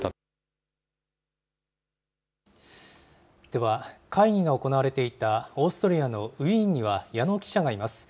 では、会議が行われていたオーストリアのウィーンには、矢野記者がいます。